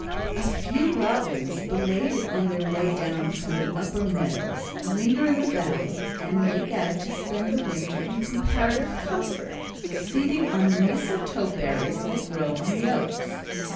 A few robins, belated on their way down from the upper Meadows, linger in the Valley and make out to spend the winter in comparative comfort, feeding on the mistletoe berries that grow on the oaks.